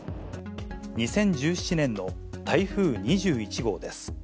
２０１７年の台風２１号です。